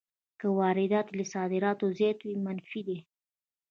که واردات یې له صادراتو زیات وي منفي ده